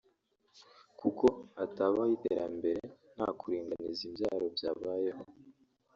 kuko hatabaho iterambere nta kuringaniza imbyaro byabayeho